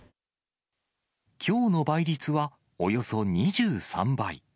きょうの倍率はおよそ２３倍。